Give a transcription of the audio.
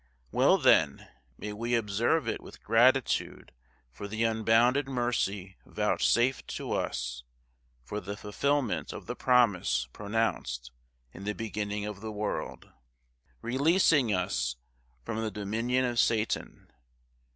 Well, then, may we observe it with gratitude for the unbounded mercy vouchsafed to us; for the fulfilment of the promise pronounced in the beginning of the world, releasing us from the dominion of Satan.